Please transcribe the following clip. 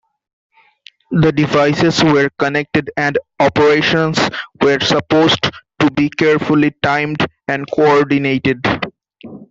The devices were connected and operations were supposed to be carefully timed and coordinated.